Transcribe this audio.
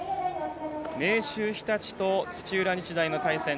明秀日立と土浦日大の対戦。